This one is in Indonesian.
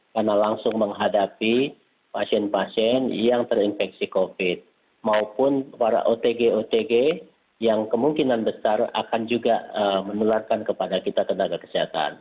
karena langsung menghadapi pasien pasien yang terinfeksi covid sembilan belas maupun para otg otg yang kemungkinan besar akan juga menularkan kepada kita tenaga kesehatan